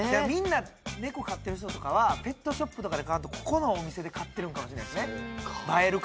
みんな猫飼ってる人とかはペットショップとかで買わんとここのお店で買ってるのかもしれないですね